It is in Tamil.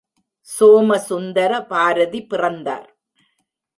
சோமசுந்தர பாரதி பிறந்தார்.